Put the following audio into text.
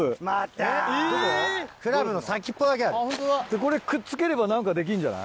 これくっつければ何かできんじゃない？